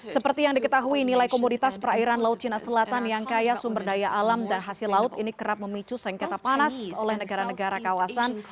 seperti yang diketahui nilai komoditas perairan laut cina selatan yang kaya sumber daya alam dan hasil laut ini kerap memicu sengketa panas oleh negara negara kawasan